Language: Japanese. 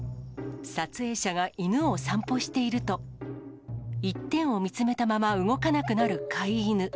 撮影者が犬を散歩していると、一点を見つめたまま動かなくなる飼い犬。